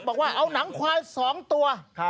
บอกว่าเอาหนังควาย๒ตัว